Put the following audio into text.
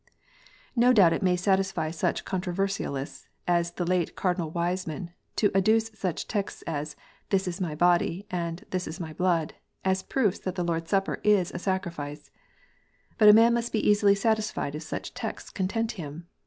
No doubt it may satisfy such controversialists as the late Cardinal Wiseman to adduce such texts as "This is My body," and " This is My blood," as proofs that the Lord s Supper is a sacrifice. But a man must be easily satisfied if such texts content him.